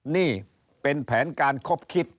นี่เป็นแผนการคบคิด